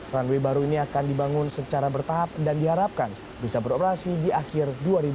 runway baru ini akan dibangun secara bertahap dan diharapkan bisa beroperasi di akhir dua ribu dua puluh